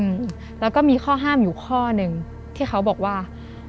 อืมแล้วก็มีข้อห้ามอยู่ข้อหนึ่งที่เขาบอกว่า